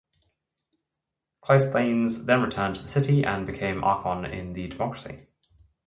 Cleisthenes then returned to the city and became archon in the democracy.